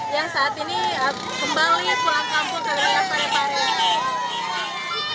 yang saat ini kembali pulang kampung ke b j habibi